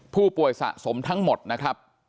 ผู้ป่วยสะสมทั้งหมดนะครับ